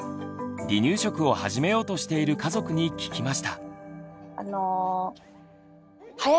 離乳食を始めようとしている家族に聞きました。